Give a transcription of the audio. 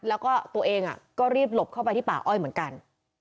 แล้วก็ตัวเองก็รีบหลบเข้าไปที่ป่าอ้อยเหมือนกัน